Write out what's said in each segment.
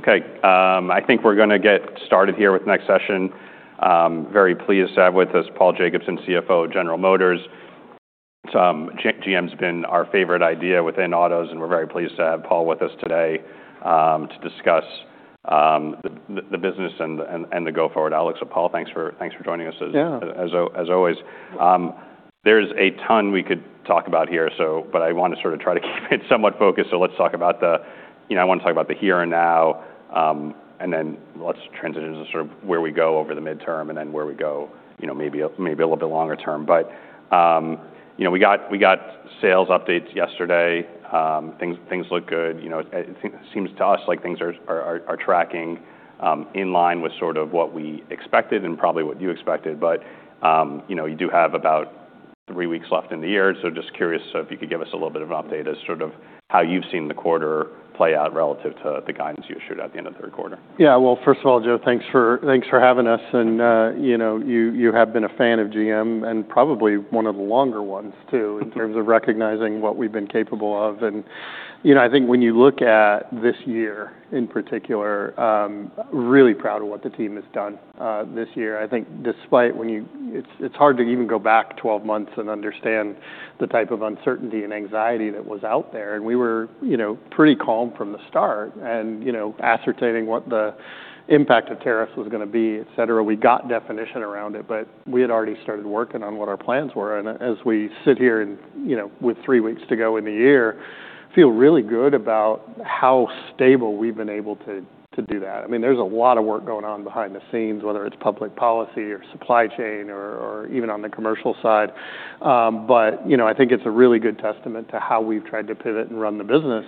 Okay. I think we're gonna get started here with next session. Very pleased to have with us Paul Jacobson, CFO at General Motors. GM has been our favorite idea within autos, and we're very pleased to have Paul with us today, to discuss the business and the go-forward. Alex, Paul, thanks for joining us. Yeah. As always, there's a ton we could talk about here, so but I wanna sort of try to keep it somewhat focused. So let's talk about the, you know, I wanna talk about the here and now, and then let's transition to sort of where we go over the midterm and then where we go, you know, maybe a little bit longer term. But, you know, we got sales updates yesterday. Things look good. You know, it seems to us like things are tracking in line with sort of what we expected and probably what you expected. But, you know, you do have about three weeks left in the year. So just curious if you could give us a little bit of an update as sort of how you've seen the quarter play out relative to the guidance you issued at the end of the third quarter? Yeah. First of all, Joe, thanks for having us. And, you know, you have been a fan of GM and probably one of the longer ones too in terms of recognizing what we've been capable of. And, you know, I think when you look at this year in particular, really proud of what the team has done, this year. I think despite, it's hard to even go back 12 months and understand the type of uncertainty and anxiety that was out there. And we were, you know, pretty calm from the start and, you know, ascertaining what the impact of tariffs was gonna be, etc. We got definition around it, but we had already started working on what our plans were. As we sit here and, you know, with three weeks to go in the year, feel really good about how stable we've been able to do that. I mean, there's a lot of work going on behind the scenes, whether it's public policy or supply chain or even on the commercial side. But, you know, I think it's a really good testament to how we've tried to pivot and run the business,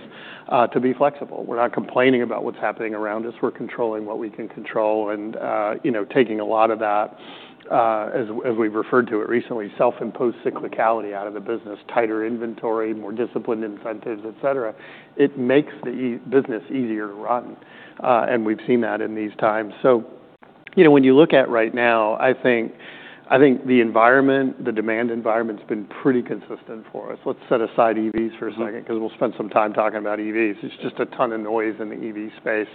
to be flexible. We're not complaining about what's happening around us. We're controlling what we can control and, you know, taking a lot of that, as we've referred to it recently, self-imposed cyclicality out of the business, tighter inventory, more disciplined incentives, etc. It makes the e-business easier to run. And we've seen that in these times. So, you know, when you look at right now, I think the environment, the demand environment's been pretty consistent for us. Let's set aside EVs for a second 'cause we'll spend some time talking about EVs. It's just a ton of noise in the EV space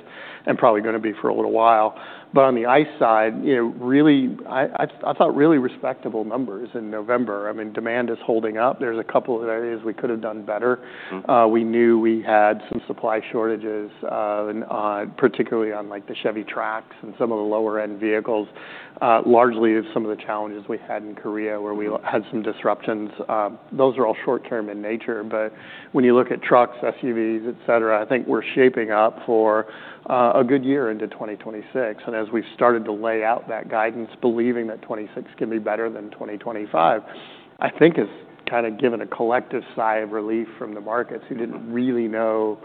and probably gonna be for a little while. But on the ICE side, you know, really, I thought really respectable numbers in November. I mean, demand is holding up. There's a couple of areas we could have done better. Mm-hmm. We knew we had some supply shortages, and particularly on like the Chevy Trax and some of the lower-end vehicles, largely of some of the challenges we had in Korea where we had some disruptions. Those are all short-term in nature. But when you look at trucks, SUVs, etc., I think we're shaping up for a good year into 2026. And as we've started to lay out that guidance, believing that 2026 can be better than 2025, I think has kinda given a collective sigh of relief from the markets who didn't really know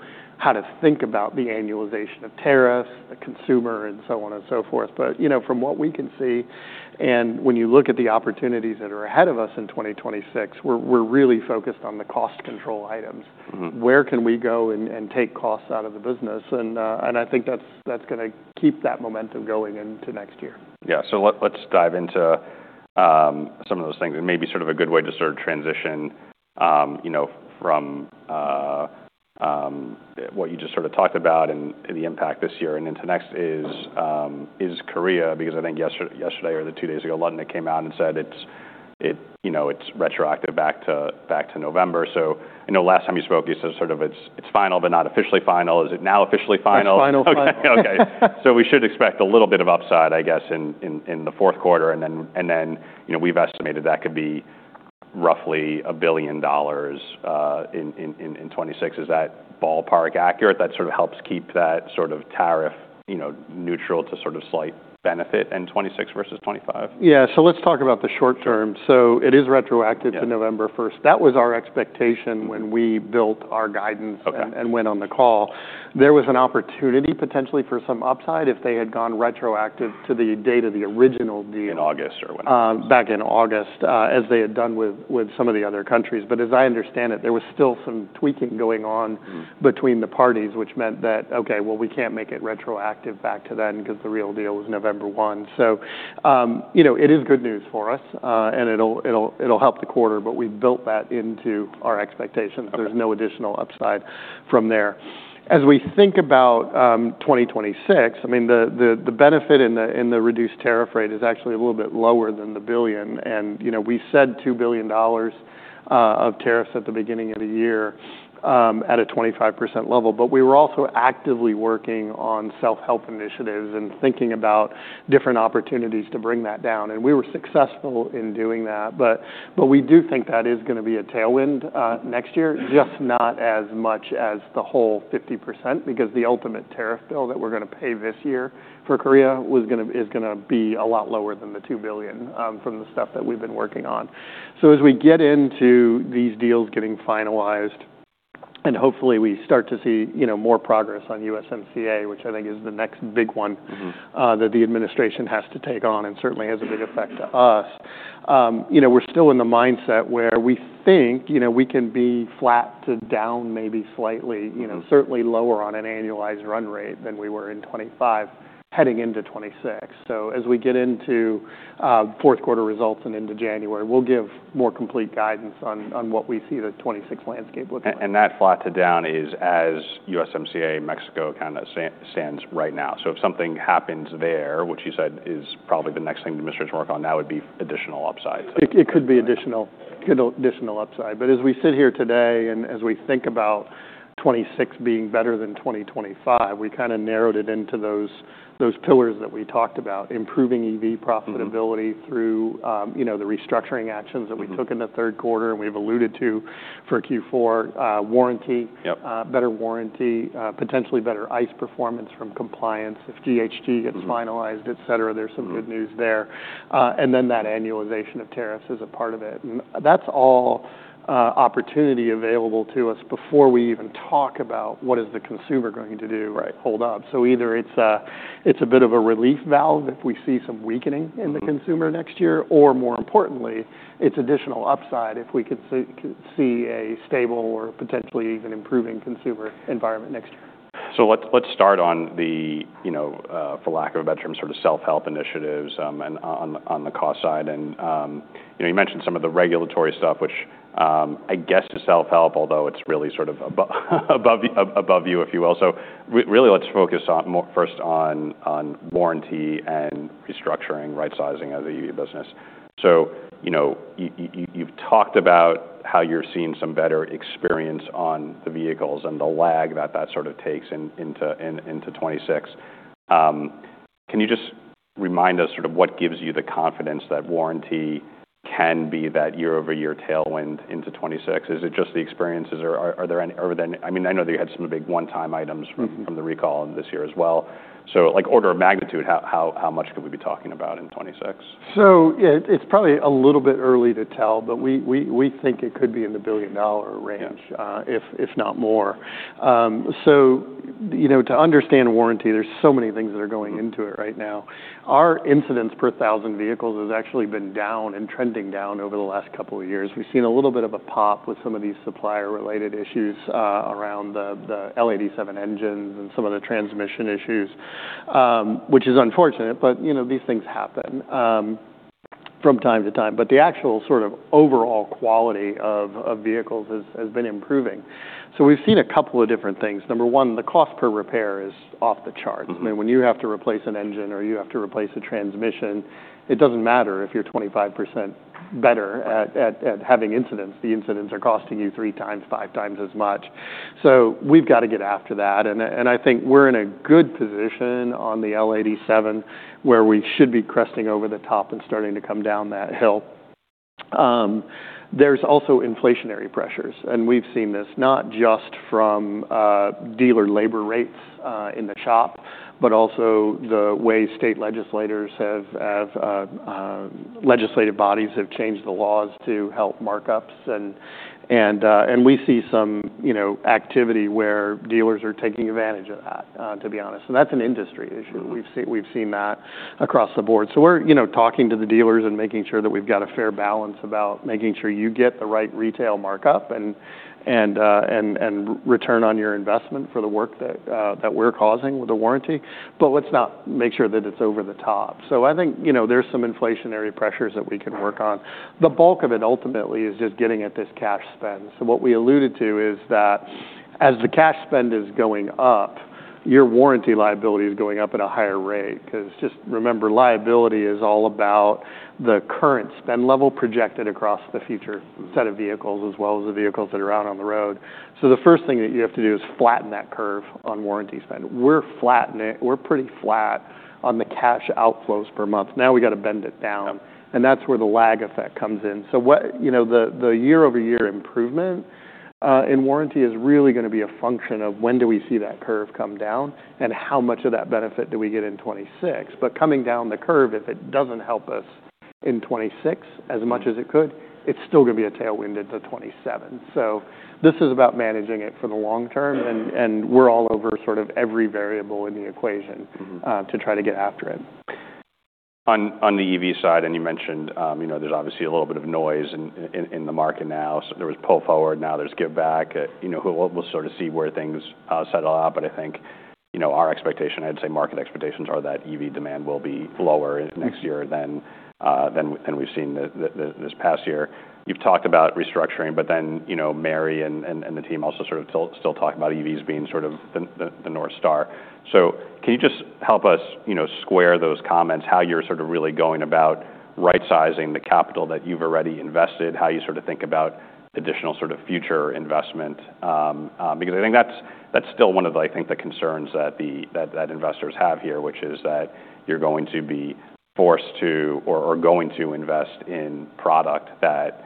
how to think about the annualization of tariffs, the consumer, and so on and so forth. But you know, from what we can see, and when you look at the opportunities that are ahead of us in 2026, we're really focused on the cost control items. Mm-hmm. Where can we go and take costs out of the business? And I think that's gonna keep that momentum going into next year. Yeah. So let's dive into some of those things. And maybe sort of a good way to sort of transition, you know, from what you just sort of talked about and the impact this year and into next is Korea, because I think yesterday or the two days ago, London came out and said it's, you know, it's retroactive back to November. So I know last time you spoke, you said sort of it's final but not officially final. Is it now officially final? It's final. Okay, so we should expect a little bit of upside, I guess, in the fourth quarter, and then, you know, we've estimated that could be roughly $1 billion in 2026. Is that ballpark accurate? That sort of helps keep that sort of tariff, you know, neutral to sort of slight benefit in 2026 versus 2025? Yeah. So let's talk about the short term. So it is retroactive to November 1st. That was our expectation when we built our guidance and went on the call. There was an opportunity potentially for some upside if they had gone retroactive to the date of the original deal. In August or when? Back in August, as they had done with some of the other countries. But as I understand it, there was still some tweaking going on between the parties, which meant that, okay, well, we can't make it retroactive back to then 'cause the real deal was November 1. So, you know, it is good news for us, and it'll help the quarter, but we've built that into our expectation that there's no additional upside from there. As we think about 2026, I mean, the benefit in the reduced tariff rate is actually a little bit lower than the billion. And, you know, we said $2 billion of tariffs at the beginning of the year, at a 25% level. But we were also actively working on self-help initiatives and thinking about different opportunities to bring that down. And we were successful in doing that. But we do think that is gonna be a tailwind next year, just not as much as the whole 50%, because the ultimate tariff bill that we're gonna pay this year for Korea was gonna, is gonna be a lot lower than the $2 billion, from the stuff that we've been working on. So as we get into these deals getting finalized, and hopefully we start to see, you know, more progress on USMCA, which I think is the next big one. Mm-hmm. That the administration has to take on and certainly has a big effect to us. You know, we're still in the mindset where we think, you know, we can be flat to down maybe slightly, you know, certainly lower on an annualized run rate than we were in 2025 heading into 2026. So as we get into fourth quarter results and into January, we'll give more complete guidance on what we see the 2026 landscape look like. That flat to down is as USMCA Mexico kinda stands right now. So if something happens there, which you said is probably the next thing the ministry's gonna work on now, it would be additional upside. It could be additional upside. But as we sit here today and as we think about 2026 being better than 2025, we kinda narrowed it into those pillars that we talked about: improving EV profitability through, you know, the restructuring actions that we took in the third quarter, and we've alluded to for Q4, warranty. Yep. Better warranty, potentially better ICE performance from compliance if GHG gets finalized, etc. There's some good news there. And then that annualization of tariffs is a part of it. And that's all, opportunity available to us before we even talk about what is the consumer going to do. Right. Hold up, so either it's a bit of a relief valve if we see some weakening in the consumer next year, or more importantly, it's additional upside if we could see a stable or potentially even improving consumer environment next year. So let's start on the, you know, for lack of a better term, sort of self-help initiatives, and on the cost side. You know, you mentioned some of the regulatory stuff, which, I guess is self-help, although it's really sort of above you, if you will. Really let's focus more first on warranty and restructuring, right-sizing of the EV business. You know, you've talked about how you're seeing some better experience on the vehicles and the lag that that sort of takes into 2026. Can you just remind us sort of what gives you the confidence that warranty can be that year-over-year tailwind into 2026? Is it just the experiences or are there any? I mean, I know that you had some big one-time items from the recall this year as well. So like order of magnitude, how much could we be talking about in 2026? So yeah, it's probably a little bit early to tell, but we think it could be in the billion-dollar range, if not more. So, you know, to understand warranty, there's so many things that are going into it right now. Our incidence per thousand vehicles has actually been down and trending down over the last couple of years. We've seen a little bit of a pop with some of these supplier-related issues around the L87 engines and some of the transmission issues, which is unfortunate, but, you know, these things happen from time to time. But the actual sort of overall quality of vehicles has been improving. So we've seen a couple of different things. Number one, the cost per repair is off the charts. Mm-hmm. I mean, when you have to replace an engine or you have to replace a transmission, it doesn't matter if you're 25% better at having incidents. The incidents are costing you three times, five times as much. So we've gotta get after that. And I think we're in a good position on the L87 where we should be cresting over the top and starting to come down that hill. There's also inflationary pressures. And we've seen this not just from dealer labor rates in the shop, but also the way state legislators have legislative bodies have changed the laws to help markups. And we see some, you know, activity where dealers are taking advantage of that, to be honest. And that's an industry issue. Mm-hmm. We've seen, we've seen that across the board. So we're, you know, talking to the dealers and making sure that we've got a fair balance about making sure you get the right retail markup and return on your investment for the work that we're causing with the warranty. But let's not make sure that it's over the top. So I think, you know, there's some inflationary pressures that we can work on. The bulk of it ultimately is just getting at this cash spend. So what we alluded to is that as the cash spend is going up, your warranty liability is going up at a higher rate 'cause just remember, liability is all about the current spend level projected across the future set of vehicles as well as the vehicles that are out on the road. So the first thing that you have to do is flatten that curve on warranty spend. We're flattening it. We're pretty flat on the cash outflows per month. Now we gotta bend it down. Yep. That's where the lag effect comes in. What, you know, the year-over-year improvement in warranty is really gonna be a function of when do we see that curve come down and how much of that benefit do we get in 2026. Coming down the curve, if it doesn't help us in 2026 as much as it could, it's still gonna be a tailwind into 2027. This is about managing it for the long term. We're all over sort of every variable in the equation. Mm-hmm. to try to get after it. On the EV side, and you mentioned, you know, there's obviously a little bit of noise in the market now, so there was pull forward, now there's give back. You know, we'll sort of see where things settle out. But I think, you know, our expectation, I'd say market expectations are that EV demand will be lower next year than we've seen this past year. You've talked about restructuring, but then, you know, Mary and the team also sort of still talk about EVs being sort of the North Star. So can you just help us, you know, square those comments, how you're sort of really going about right-sizing the capital that you've already invested, how you sort of think about additional sort of future investment, because I think that's still one of, I think, the concerns that the investors have here, which is that you're going to be forced to or going to invest in product that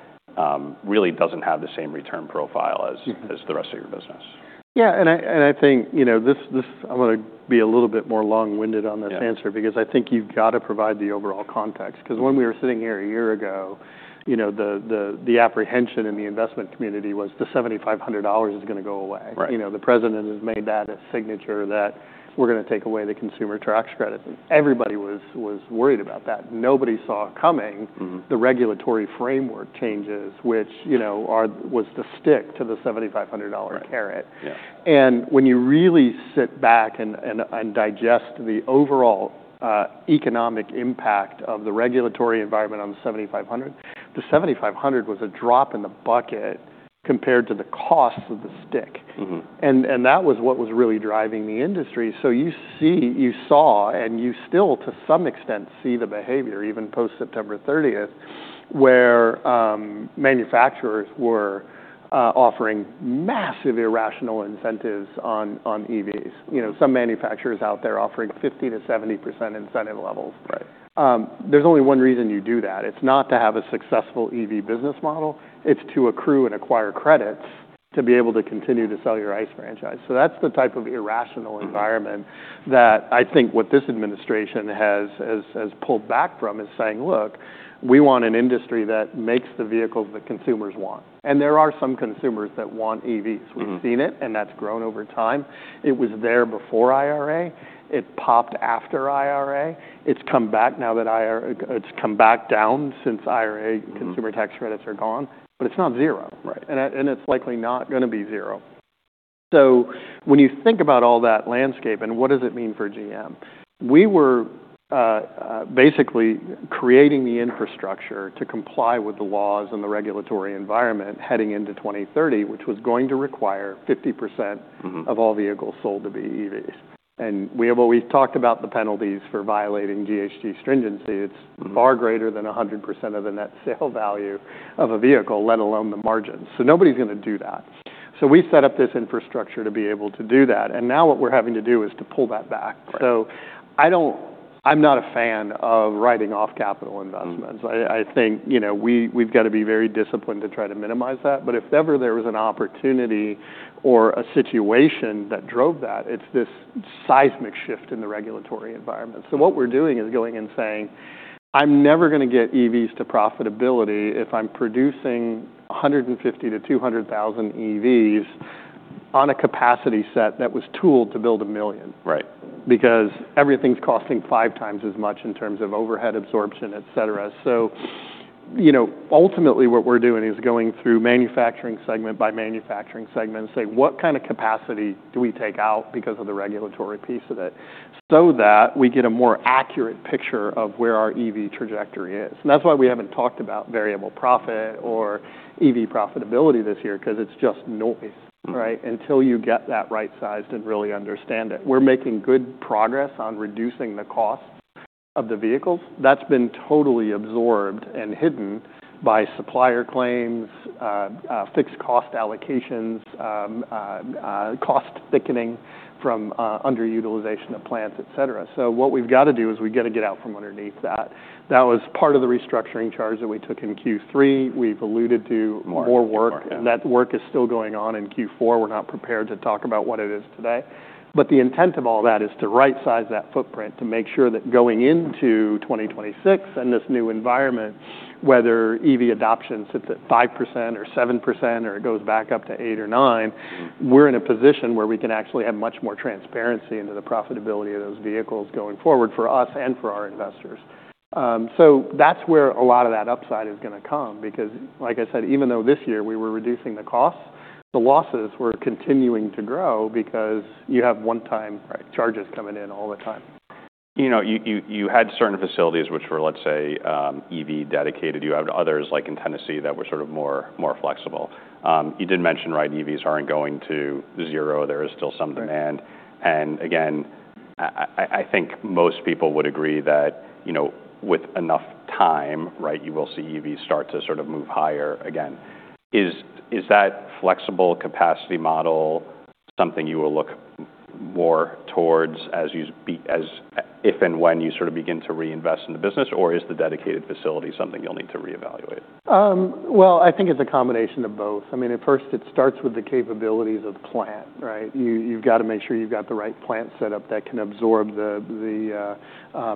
really doesn't have the same return profile as? Mm-hmm. As the rest of your business. Yeah. I think, you know, this I'm gonna be a little bit more long-winded on this answer. Yeah. Because I think you've gotta provide the overall context. 'Cause when we were sitting here a year ago, you know, the apprehension in the investment community was the $7,500 is gonna go away. Right. You know, the president has made that a signature that we're gonna take away the consumer tax credit. Everybody was worried about that. Nobody saw coming. Mm-hmm. The regulatory framework changes, which, you know, are the stick to the $7,500 carrot. Right. Yeah. When you really sit back and digest the overall economic impact of the regulatory environment on the 7,500, the 7,500 was a drop in the bucket compared to the cost of the stick. Mm-hmm. That was what was really driving the industry. So you saw, and you still to some extent see the behavior even post-September 30th where manufacturers were offering massive irrational incentives on EVs. You know, some manufacturers out there offering 50% to 70% incentive levels. Right. There's only one reason you do that. It's not to have a successful EV business model. It's to accrue and acquire credits to be able to continue to sell your ICE franchise. So that's the type of irrational environment that I think what this administration has pulled back from is saying, "Look, we want an industry that makes the vehicles that consumers want." And there are some consumers that want EVs. Mm-hmm. We've seen it, and that's grown over time. It was there before IRA. It popped after IRA. It's come back now that IRA. It's come back down since IRA consumer tax credits are gone, but it's not zero. Right. It's likely not gonna be zero. When you think about all that landscape and what does it mean for GM, we were basically creating the infrastructure to comply with the laws and the regulatory environment heading into 2030, which was going to require 50%. Mm-hmm. Of all vehicles sold to be EVs. And we have always talked about the penalties for violating GHG stringency. It's. Mm-hmm. Far greater than 100% of the net sale value of a vehicle, let alone the margins. So nobody's gonna do that. So we set up this infrastructure to be able to do that. And now what we're having to do is to pull that back. Right. So I don't, I'm not a fan of writing off capital investments. I, I think, you know, we, we've gotta be very disciplined to try to minimize that. But if ever there was an opportunity or a situation that drove that, it's this seismic shift in the regulatory environment. So what we're doing is going and saying, "I'm never gonna get EVs to profitability if I'm producing 150 to 200,000 EVs on a capacity set that was tooled to build a million. Right. Because everything's costing five times as much in terms of overhead absorption, etc. So, you know, ultimately what we're doing is going through manufacturing segment by manufacturing segment and say, "What kind of capacity do we take out because of the regulatory piece of it so that we get a more accurate picture of where our EV trajectory is?" And that's why we haven't talked about variable profit or EV profitability this year 'cause it's just noise. Mm-hmm. Right? Until you get that right-sized and really understand it. We're making good progress on reducing the cost of the vehicles. That's been totally absorbed and hidden by supplier claims, fixed cost allocations, cost thickening from underutilization of plants, etc. So what we've gotta do is we gotta get out from underneath that. That was part of the restructuring charge that we took in Q3. We've alluded to. More. More work. More. That work is still going on in Q4. We're not prepared to talk about what it is today. The intent of all that is to right-size that footprint to make sure that going into 2026 and this new environment, whether EV adoption sits at 5% or 7% or it goes back up to 8% or 9%. Mm-hmm. We're in a position where we can actually have much more transparency into the profitability of those vehicles going forward for us and for our investors. So that's where a lot of that upside is gonna come because, like I said, even though this year we were reducing the costs, the losses were continuing to grow because you have one-time. Right. Charges coming in all the time. You know, you had certain facilities which were, let's say, EV dedicated. You had others like in Tennessee that were sort of more flexible. You did mention, right, EVs aren't going to zero. There is still some demand. Right. Again, I think most people would agree that, you know, with enough time, right, you will see EVs start to sort of move higher again. Is that flexible capacity model something you will look more towards as if and when you sort of begin to reinvest in the business, or is the dedicated facility something you'll need to reevaluate? I think it's a combination of both. I mean, at first it starts with the capabilities of the plant, right? You've gotta make sure you've got the right plant setup that can absorb the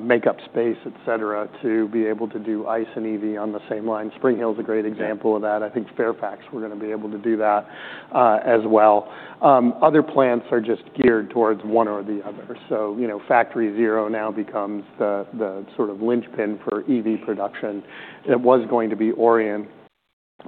makeup space, etc., to be able to do ICE and EV on the same line. Spring Hill's a great example of that. I think Fairfax we're gonna be able to do that, as well. Other plants are just geared towards one or the other. You know, Factory Zero now becomes the sort of linchpin for EV production. It was going to be Orion,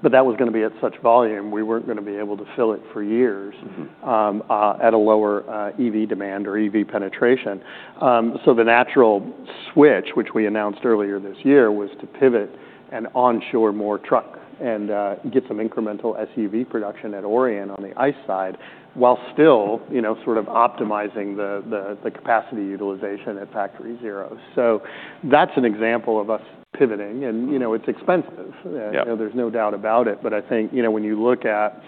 but that was gonna be at such volume we weren't gonna be able to fill it for years. Mm-hmm. At a lower EV demand or EV penetration. So the natural switch, which we announced earlier this year, was to pivot and onshore more truck and get some incremental SUV production at Orion on the ICE side while still, you know, sort of optimizing the capacity utilization at Factory Zero. So that's an example of us pivoting. And, you know, it's expensive. Yeah. You know, there's no doubt about it. But I think, you know, when you look at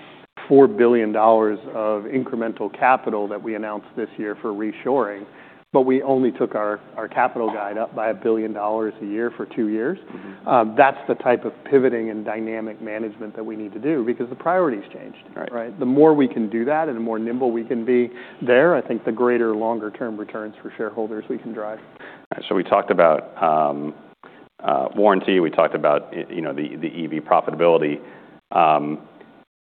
$4 billion of incremental capital that we announced this year for reshoring, but we only took our capital guide up by $1 billion a year for two years. Mm-hmm. That's the type of pivoting and dynamic management that we need to do because the priorities changed. Right. Right? The more we can do that and the more nimble we can be there, I think the greater longer-term returns for shareholders we can drive. All right. So we talked about warranty. We talked about you know the EV profitability.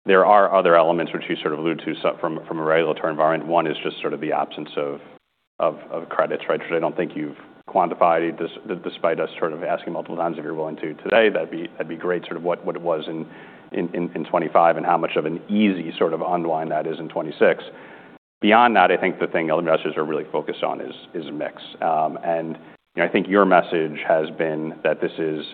There are other elements which you sort of alluded to from a regulatory environment. One is just sort of the absence of credits right? Which I don't think you've quantified this despite us sort of asking multiple times if you're willing to today that'd be great sort of what it was in 2025 and how much of an easy sort of unwind that is in 2026. Beyond that I think the thing investors are really focused on is mix and you know I think your message has been that this is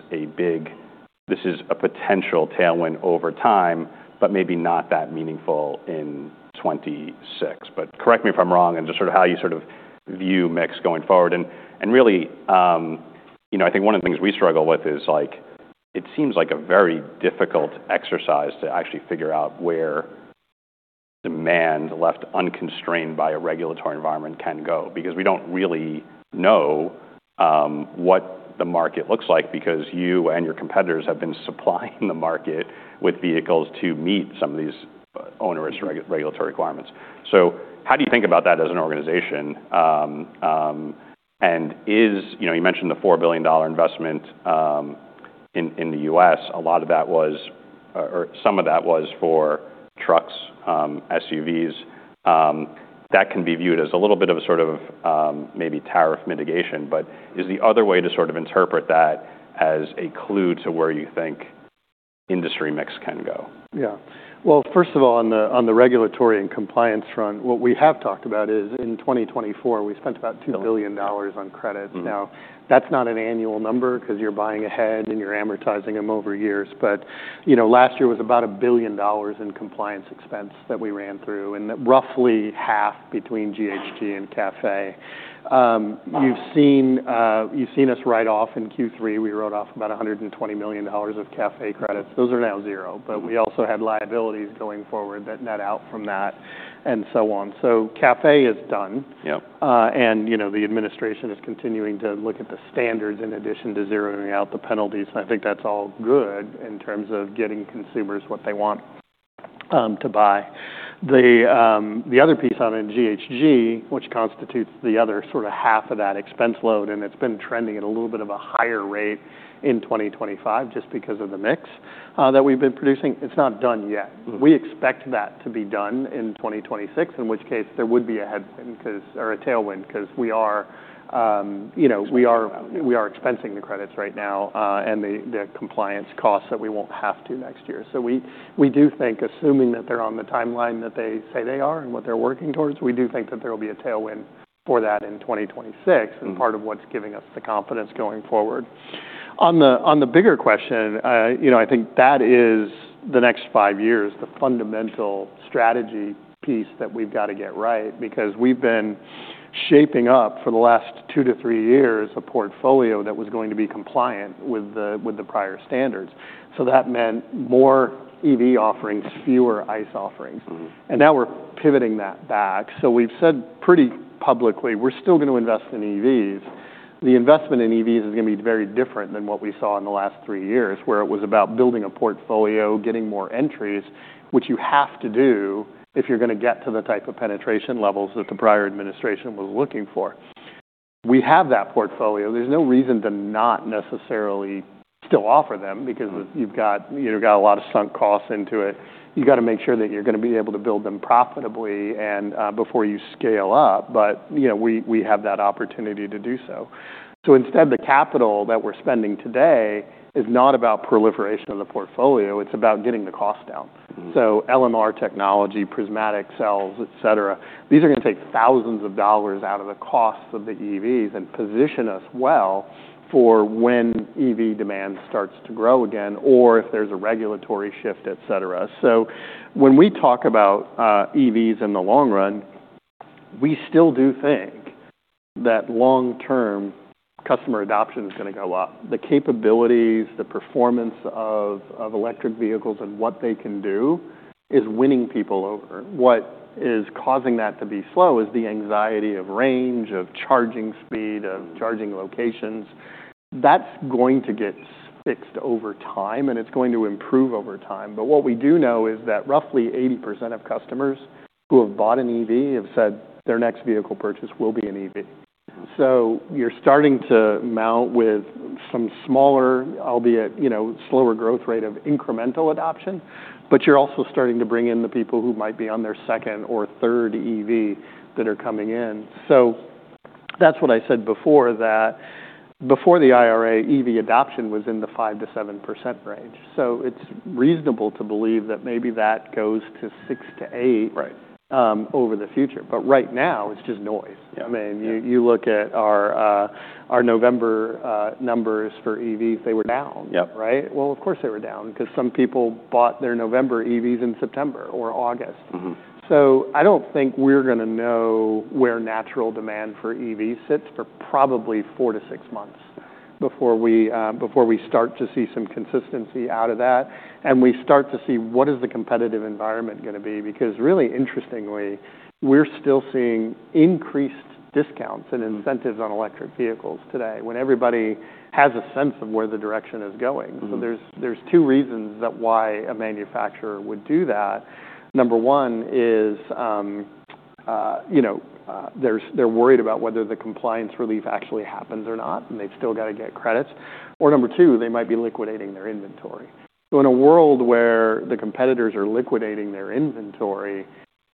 a potential tailwind over time but maybe not that meaningful in 2026. But correct me if I'm wrong and just sort of how you sort of view MIX going forward. And really, you know, I think one of the things we struggle with is, like, it seems like a very difficult exercise to actually figure out where demand left unconstrained by a regulatory environment can go because we don't really know what the market looks like because you and your competitors have been supplying the market with vehicles to meet some of these onerous regulatory requirements. So how do you think about that as an organization? And is, you know, you mentioned the $4 billion investment in the U.S. A lot of that was, or some of that was for trucks, SUVs. that can be viewed as a little bit of sort of, maybe tariff mitigation, but is the other way to sort of interpret that as a clue to where you think industry mix can go? Yeah. Well, first of all, on the regulatory and compliance front, what we have talked about is in 2024, we spent about $2 billion on credits. Mm-hmm. Now, that's not an annual number 'cause you're buying ahead and you're amortizing them over years. But, you know, last year was about $1 billion in compliance expense that we ran through and roughly half between GHG and CAFE. You've seen, you've seen us write off in Q3. We wrote off about $120 million of CAFE credits. Those are now zero. Mm-hmm. But we also had liabilities going forward that net out from that and so on. So CAFE is done. Yep. And, you know, the administration is continuing to look at the standards in addition to zeroing out the penalties. And I think that's all good in terms of getting consumers what they want, to buy. The other piece on GHG, which constitutes the other sort of half of that expense load, and it's been trending at a little bit of a higher rate in 2025 just because of the mix that we've been producing, it's not done yet. Mm-hmm. We expect that to be done in 2026, in which case there would be a headwind 'cause or a tailwind 'cause we are, you know, we are. Sure. We are expensing the credits right now, and the compliance costs that we won't have to next year. So we do think, assuming that they're on the timeline that they say they are and what they're working towards, we do think that there'll be a tailwind for that in 2026. Mm-hmm. Part of what's giving us the confidence going forward. On the bigger question, you know, I think that is the next five years, the fundamental strategy piece that we've gotta get right because we've been shaping up for the last two to three years a portfolio that was going to be compliant with the prior standards. That meant more EV offerings, fewer ICE offerings. Mm-hmm. Now we're pivoting that back. We've said pretty publicly we're still gonna invest in EVs. The investment in EVs is gonna be very different than what we saw in the last three years where it was about building a portfolio, getting more entries, which you have to do if you're gonna get to the type of penetration levels that the prior administration was looking for. We have that portfolio. There's no reason to not necessarily still offer them because you've got, you've got a lot of sunk costs into it. You gotta make sure that you're gonna be able to build them profitably and before you scale up. You know, we have that opportunity to do so. Instead, the capital that we're spending today is not about proliferation of the portfolio. It's about getting the cost down. Mm-hmm. LMR technology, prismatic cells, etc., these are gonna take thousands of dollars out of the costs of the EVs and position us well for when EV demand starts to grow again or if there's a regulatory shift, etc. When we talk about EVs in the long run, we still do think that long-term customer adoption is gonna go up. The capabilities, the performance of electric vehicles and what they can do is winning people over. What is causing that to be slow is the anxiety of range, of charging speed, of charging locations. That's going to get fixed over time, and it's going to improve over time. What we do know is that roughly 80% of customers who have bought an EV have said their next vehicle purchase will be an EV. Mm-hmm. You're starting to mount with some smaller, albeit, you know, slower growth rate of incremental adoption, but you're also starting to bring in the people who might be on their second or third EV that are coming in. That's what I said before, that before the IRA, EV adoption was in the 5% to 7% range. It's reasonable to believe that maybe that goes to 6% to 8%. Right. over the future. But right now, it's just noise. Yeah. I mean, you look at our November numbers for EVs. They were down. Yep. Right? Well, of course they were down 'cause some people bought their November EVs in September or August. Mm-hmm. So I don't think we're gonna know where natural demand for EVs sits for probably four to six months before we start to see some consistency out of that and we start to see what is the competitive environment gonna be. Because really interestingly, we're still seeing increased discounts and incentives on electric vehicles today when everybody has a sense of where the direction is going. Mm-hmm. So there's two reasons that's why a manufacturer would do that. Number one is, you know, they're worried about whether the compliance relief actually happens or not, and they've still gotta get credits. Or number two, they might be liquidating their inventory. So in a world where the competitors are liquidating their inventory,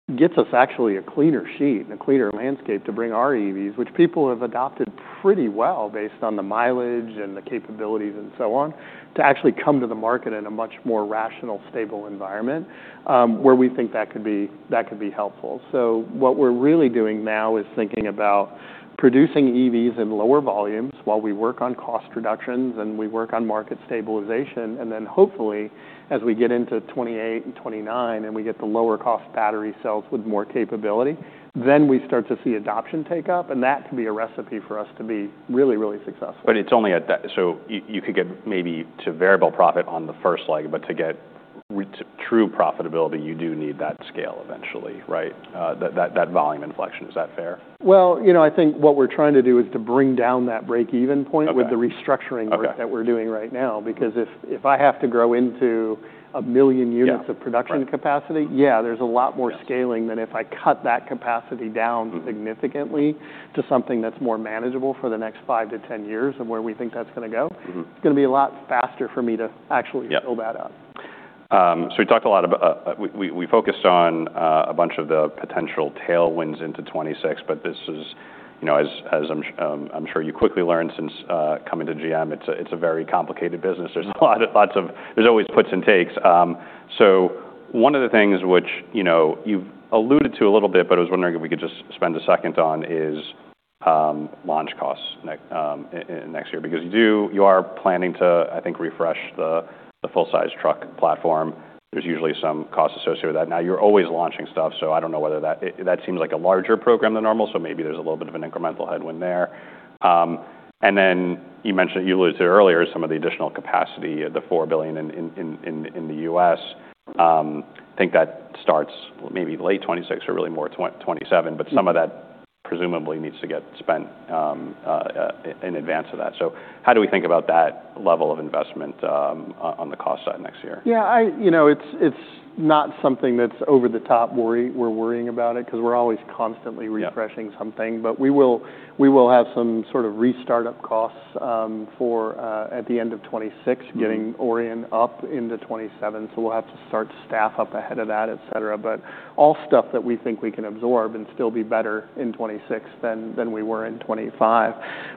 it gets us actually a cleaner sheet and a cleaner landscape to bring our EVs, which people have adopted pretty well based on the mileage and the capabilities and so on, to actually come to the market in a much more rational, stable environment, where we think that could be, that could be helpful. So what we're really doing now is thinking about producing EVs in lower volumes while we work on cost reductions and we work on market stabilization. Then hopefully, as we get into 2028 and 2029 and we get the lower-cost battery cells with more capability, then we start to see adoption take up, and that can be a recipe for us to be really, really successful. But it's only at that, so you could get maybe to variable profit on the first leg, but to get to true profitability, you do need that scale eventually, right? That volume inflection. Is that fair? You know, I think what we're trying to do is to bring down that break-even point with the restructuring. Okay. That we're doing right now because if I have to grow into a million units of production capacity. Yep. Yeah, there's a lot more scaling than if I cut that capacity down significantly to something that's more manageable for the next five to 10 years of where we think that's gonna go. Mm-hmm. It's gonna be a lot faster for me to actually scale that up. Yeah. So we talked a lot about, we focused on a bunch of the potential tailwinds into 2026, but this is, you know, as I'm sure you quickly learned since coming to GM, it's a very complicated business. There's a lot of, there's always puts and takes. So one of the things which, you know, you've alluded to a little bit, but I was wondering if we could just spend a second on is launch costs next in next year because you are planning to, I think, refresh the full-size truck platform. There's usually some cost associated with that. Now, you're always launching stuff, so I don't know whether that seems like a larger program than normal, so maybe there's a little bit of an incremental headwind there. and then you mentioned, you alluded to earlier, some of the additional capacity, the $4 billion in the U.S. I think that starts maybe late 2026 or really more 2027, but some of that presumably needs to get spent in advance of that. So how do we think about that level of investment on the cost side next year? Yeah, you know, it's not something that's over the top worry. We're worrying about it 'cause we're always constantly refreshing something. Mm-hmm. But we will have some sort of re-startup costs for at the end of 2026, getting Orion up into 2027. So we'll have to start staff up ahead of that, etc., but all stuff that we think we can absorb and still be better in 2026 than we were in 2025.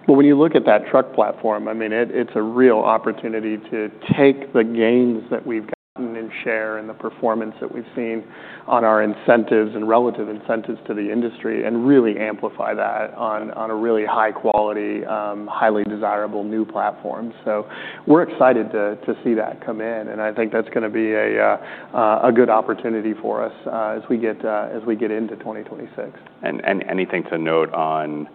But when you look at that truck platform, I mean, it's a real opportunity to take the gains that we've gotten in share and the performance that we've seen on our incentives and relative incentives to the industry and really amplify that on a really high-quality, highly desirable new platform. So we're excited to see that come in, and I think that's gonna be a good opportunity for us, as we get into 2026. Anything to note on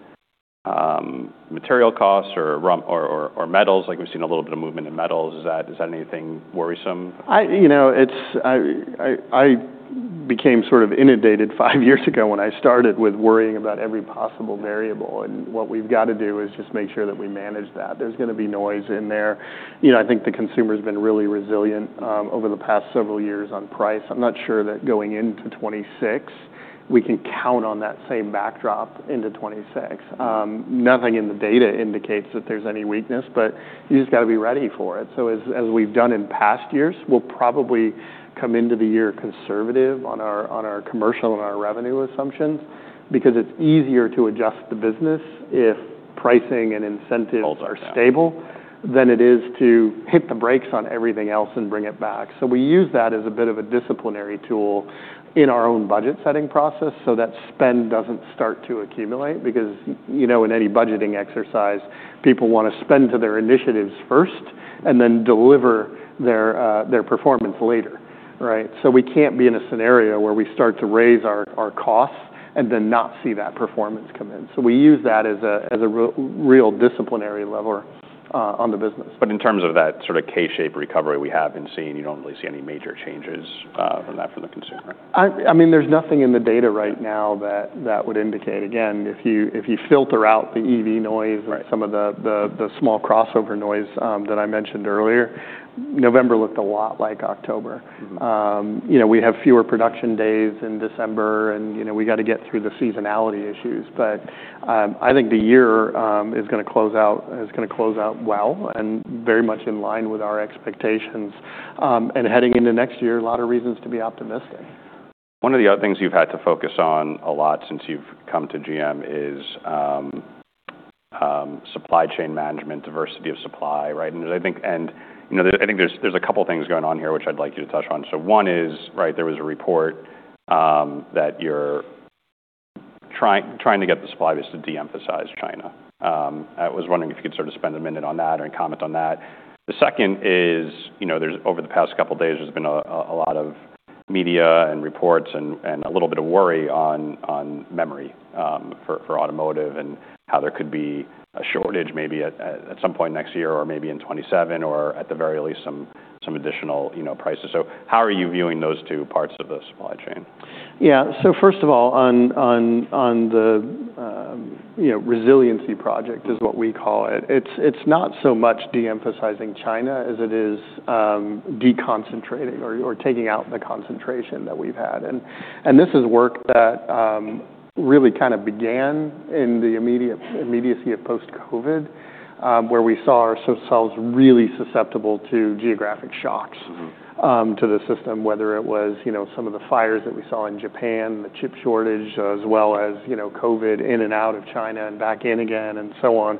material costs or metals? Like we've seen a little bit of movement in metals. Is that anything worrisome? You know, it's, I became sort of inundated five years ago when I started with worrying about every possible variable, and what we've gotta do is just make sure that we manage that. There's gonna be noise in there. You know, I think the consumer's been really resilient over the past several years on price. I'm not sure that going into 2026, we can count on that same backdrop into 2026. Nothing in the data indicates that there's any weakness, but you just gotta be ready for it. So as we've done in past years, we'll probably come into the year conservative on our commercial and our revenue assumptions because it's easier to adjust the business if pricing and incentives are stable than it is to hit the brakes on everything else and bring it back. So we use that as a bit of a disciplinary tool in our own budget-setting process so that spend doesn't start to accumulate because, you know, in any budgeting exercise, people wanna spend to their initiatives first and then deliver their performance later, right? So we can't be in a scenario where we start to raise our costs and then not see that performance come in. So we use that as a real disciplinary lever on the business. But in terms of that sort of K-shaped recovery we have been seeing, you don't really see any major changes, from that for the consumer, right? I mean, there's nothing in the data right now that would indicate, again, if you filter out the EV noise and some of the small crossover noise, that I mentioned earlier, November looked a lot like October. Mm-hmm. You know, we have fewer production days in December, and, you know, we gotta get through the seasonality issues. But, I think the year is gonna close out well and very much in line with our expectations. And heading into next year, a lot of reasons to be optimistic. One of the other things you've had to focus on a lot since you've come to GM is supply chain management, diversity of supply, right? And I think, you know, I think there's a couple things going on here which I'd like you to touch on. So one is, right, there was a report that you're trying to get the supply base to de-emphasize China. I was wondering if you could sort of spend a minute on that or comment on that. The second is, you know, over the past couple days, there's been a lot of media and reports and a little bit of worry on memory for automotive and how there could be a shortage maybe at some point next year or maybe in 2027 or at the very least some additional, you know, prices. So how are you viewing those two parts of the supply chain? Yeah. So first of all, on the resiliency project is what we call it. It's not so much de-emphasizing China as it is de-concentrating or taking out the concentration that we've had. And this is work that really kinda began in the immediacy of post-COVID, where we saw ourselves really susceptible to geographic shocks. Mm-hmm. To the system, whether it was, you know, some of the fires that we saw in Japan, the chip shortage, as well as, you know, COVID in and out of China and back in again and so on,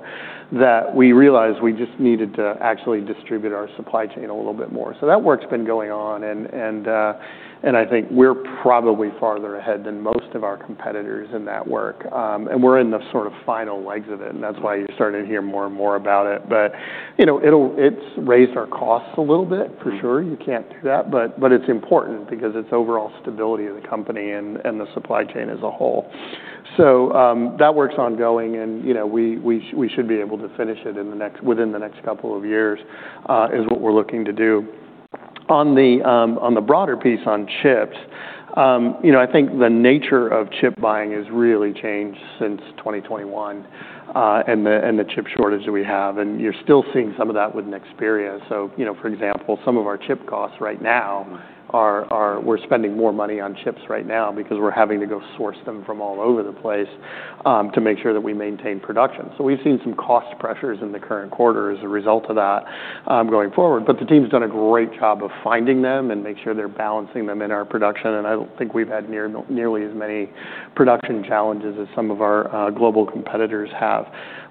that we realized we just needed to actually distribute our supply chain a little bit more. So that work's been going on, and I think we're probably farther ahead than most of our competitors in that work, and we're in the sort of final legs of it, and that's why you're starting to hear more and more about it. But, you know, it'll, it's raised our costs a little bit for sure. You can't do that, but it's important because it's overall stability of the company and the supply chain as a whole. That work's ongoing, and, you know, we should be able to finish it in the next, within the next couple of years, is what we're looking to do. On the broader piece on chips, you know, I think the nature of chip buying has really changed since 2021, and the chip shortage that we have, and you're still seeing some of that with Nexperia. So, you know, for example, some of our chip costs right now are, we're spending more money on chips right now because we're having to go source them from all over the place, to make sure that we maintain production. So we've seen some cost pressures in the current quarter as a result of that, going forward, but the team's done a great job of finding them and making sure they're balancing them in our production. I don't think we've had nearly as many production challenges as some of our global competitors have.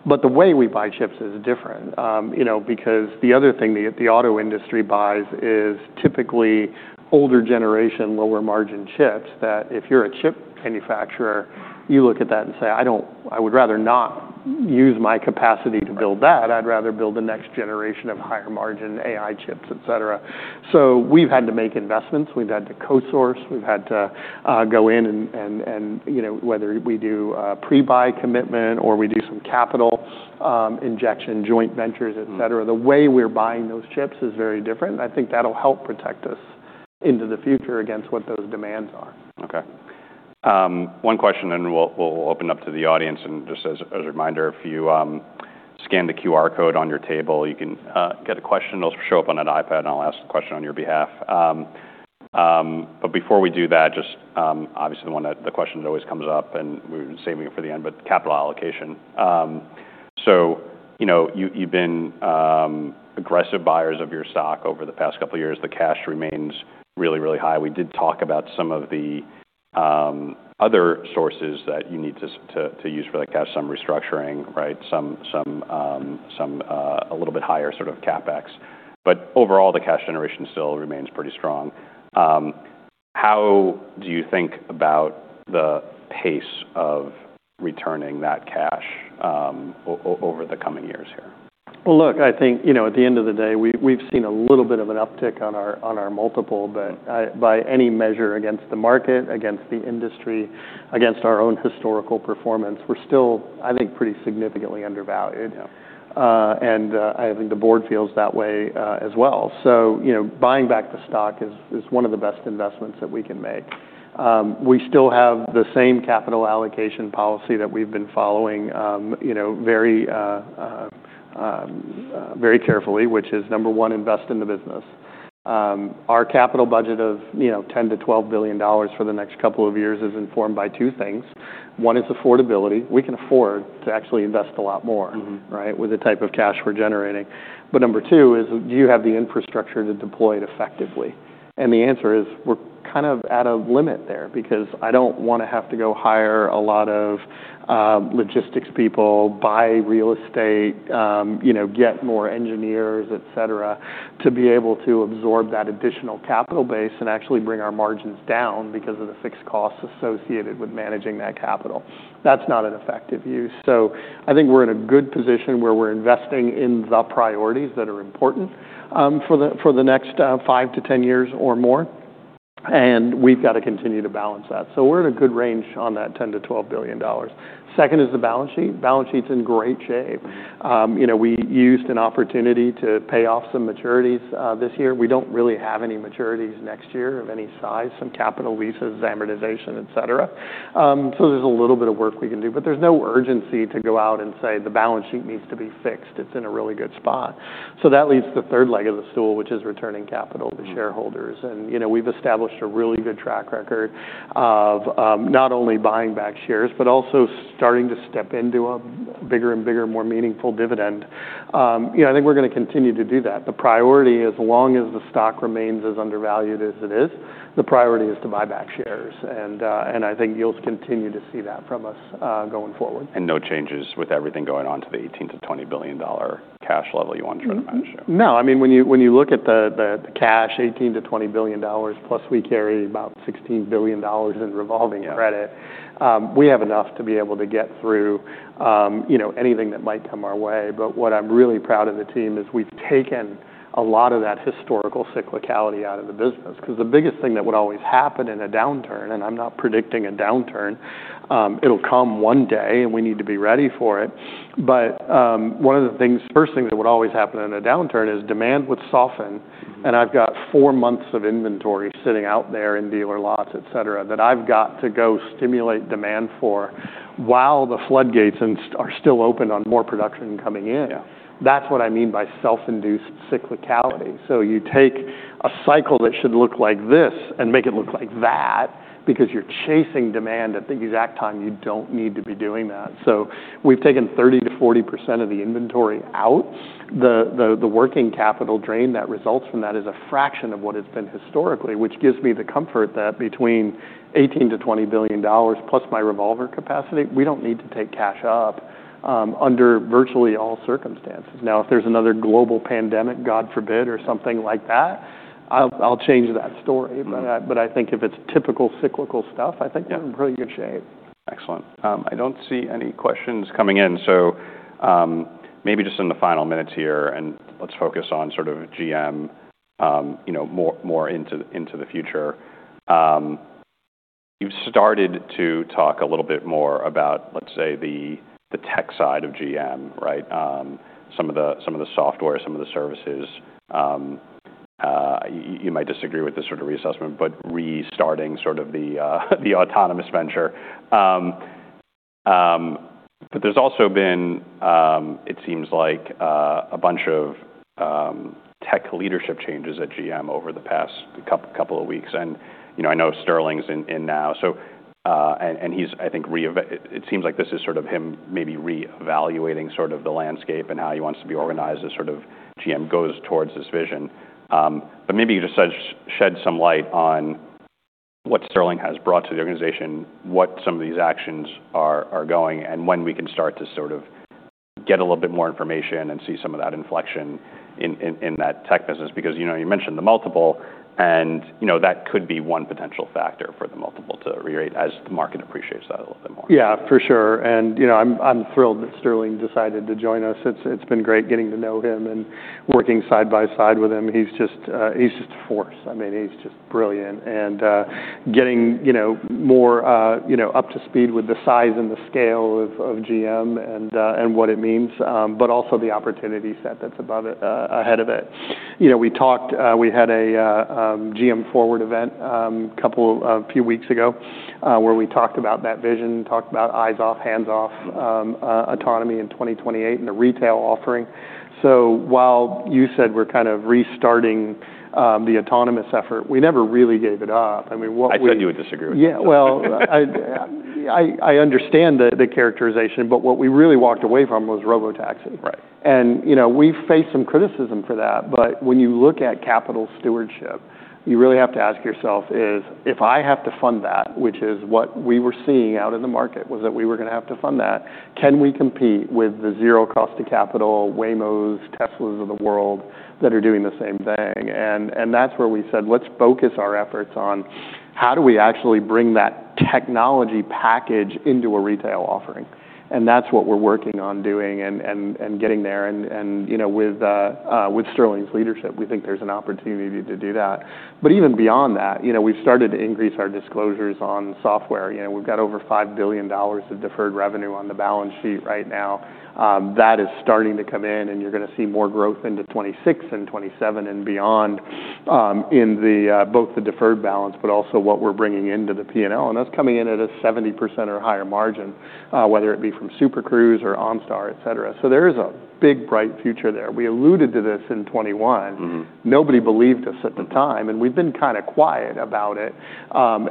But the way we buy chips is different, you know, because the other thing the auto industry buys is typically older generation, lower margin chips that if you're a chip manufacturer, you look at that and say, "I don't. I would rather not use my capacity to build that. I'd rather build the next generation of higher margin AI chips," etc. So we've had to make investments. We've had to co-source. We've had to go in and, you know, whether we do a pre-buy commitment or we do some capital injection, joint ventures, etc., the way we're buying those chips is very different. And I think that'll help protect us into the future against what those demands are. Okay. One question, and we'll open up to the audience. And just as a reminder, if you scan the QR code on your table, you can get a question. It'll show up on an iPad, and I'll ask the question on your behalf. But before we do that, just obviously the question that always comes up, and we're saving it for the end, but capital allocation, so you know, you've been aggressive buyers of your stock over the past couple years. The cash remains really high. We did talk about some of the other sources that you need to use for that cash, some restructuring, right? Some a little bit higher sort of CapEx, but overall, the cash generation still remains pretty strong. How do you think about the pace of returning that cash over the coming years here? Look, I think, you know, at the end of the day, we've seen a little bit of an uptick on our multiple, but by any measure against the market, against the industry, against our own historical performance, we're still, I think, pretty significantly undervalued. Yeah. I think the board feels that way, as well. So, you know, buying back the stock is one of the best investments that we can make. We still have the same capital allocation policy that we've been following, you know, very, very carefully, which is number one, invest in the business. Our capital budget of, you know, $10 to $12 billion for the next couple of years is informed by two things. One is affordability. We can afford to actually invest a lot more. Mm-hmm. Right, with the type of cash we're generating. But number two is, do you have the infrastructure to deploy it effectively? And the answer is we're kind of at a limit there because I don't wanna have to go hire a lot of logistics people, buy real estate, you know, get more engineers, etc., to be able to absorb that additional capital base and actually bring our margins down because of the fixed costs associated with managing that capital. That's not an effective use. So I think we're in a good position where we're investing in the priorities that are important, for the, for the next five to 10 years or more, and we've gotta continue to balance that. So we're in a good range on that $10 billion-$12 billion. Second is the balance sheet. Balance sheet's in great shape. You know, we used an opportunity to pay off some maturities, this year. We don't really have any maturities next year of any size, some capital leases, amortization, etc. So there's a little bit of work we can do, but there's no urgency to go out and say the balance sheet needs to be fixed. It's in a really good spot. So that leaves the third leg of the stool, which is returning capital to shareholders. And, you know, we've established a really good track record of, not only buying back shares but also starting to step into a bigger and bigger, more meaningful dividend. You know, I think we're gonna continue to do that. The priority, as long as the stock remains as undervalued as it is, the priority is to buy back shares. And I think you'll continue to see that from us, going forward. No changes with everything going on to the $18 billion to $20 billion cash level you want to try to manage? No. I mean, when you look at the cash, $18 billion to $20 billion plus we carry about $16 billion in revolving credit. Yeah. We have enough to be able to get through, you know, anything that might come our way. But what I'm really proud of the team is we've taken a lot of that historical cyclicality out of the business 'cause the biggest thing that would always happen in a downturn, and I'm not predicting a downturn, it'll come one day, and we need to be ready for it. But, one of the things, first thing that would always happen in a downturn is demand would soften, and I've got four months of inventory sitting out there in dealer lots, etc., that I've got to go stimulate demand for while the floodgates are still open on more production coming in. Yeah. That's what I mean by self-induced cyclicality. So you take a cycle that should look like this and make it look like that because you're chasing demand at the exact time you don't need to be doing that. So we've taken 30%-40% of the inventory out. The working capital drain that results from that is a fraction of what it's been historically, which gives me the comfort that between $18 billion to $20 billion+ my revolver capacity, we don't need to take cash up under virtually all circumstances. Now, if there's another global pandemic, God forbid, or something like that, I'll change that story. But I think if it's typical cyclical stuff, I think we're in pretty good shape. Excellent. I don't see any questions coming in, so, maybe just in the final minutes here, and let's focus on sort of GM, you know, more into the future. You've started to talk a little bit more about, let's say, the tech side of GM, right? Some of the software, some of the services, you might disagree with this sort of reassessment, but restarting sort of the autonomous venture. But there's also been, it seems like, a bunch of tech leadership changes at GM over the past couple of weeks. And, you know, I know Sterling's in now. So, and he's, I think, it seems like this is sort of him maybe re-evaluating sort of the landscape and how he wants to be organized as sort of GM goes towards this vision. But maybe you just shed some light on what Sterling has brought to the organization, what some of these actions are going, and when we can start to sort of get a little bit more information and see some of that inflection in that tech business because, you know, you mentioned the multiple, and, you know, that could be one potential factor for the multiple to re-rate as the market appreciates that a little bit more. Yeah, for sure, and you know, I'm thrilled that Sterling decided to join us. It's been great getting to know him and working side by side with him. He's just a force. I mean, he's just brilliant, and getting you know more you know up to speed with the size and the scale of GM and what it means, but also the opportunity set that's above it, ahead of it. You know, we had a GM Forward event a few weeks ago, where we talked about that vision, talked about eyes off, hands off, autonomy in 2028 and the retail offering. So while you said we're kind of restarting the autonomous effort, we never really gave it up. I mean, what we. I certainly would disagree with you. Yeah. Well, I understand the characterization, but what we really walked away from was Robotaxi. Right. We've faced some criticism for that. But when you look at capital stewardship, you really have to ask yourself, is if I have to fund that, which is what we were seeing out in the market was that we were gonna have to fund that, can we compete with the zero cost of capital, Waymo's, Tesla's of the world that are doing the same thing? That's where we said, let's focus our efforts on how do we actually bring that technology package into a retail offering. That's what we're working on doing and getting there. You know, with Sterling's leadership, we think there's an opportunity to do that. But even beyond that, you know, we've started to increase our disclosures on software. You know, we've got over $5 billion of deferred revenue on the balance sheet right now. that is starting to come in, and you're gonna see more growth into 2026 and 2027 and beyond, in the, both the deferred balance but also what we're bringing into the P&L. And that's coming in at a 70% or higher margin, whether it be from Super Cruise or OnStar, etc. So there is a big, bright future there. We alluded to this in 2021. Mm-hmm. Nobody believed us at the time, and we've been kind of quiet about it,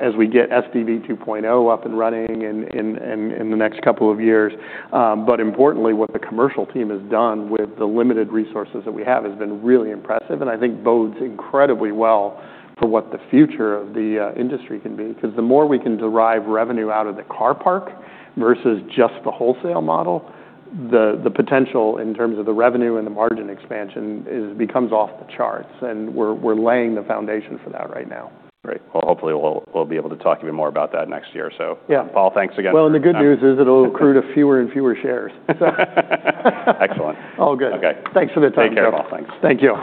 as we get SDV 2.0 up and running in the next couple of years, but importantly, what the commercial team has done with the limited resources that we have has been really impressive, and I think bodes incredibly well for what the future of the industry can be 'cause the more we can derive revenue out of the car park versus just the wholesale model, the potential in terms of the revenue and the margin expansion it becomes off the charts, and we're laying the foundation for that right now. Great. Hopefully, we'll be able to talk even more about that next year. Yeah. Paul, thanks again for coming in. Well, and the good news is it'll accrue to fewer and fewer shares. Excellent. All good. Okay. Thanks for the time, Paul. Take care, Paul. Thanks. Thank you.